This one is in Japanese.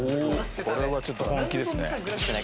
これはちょっと本気ですね。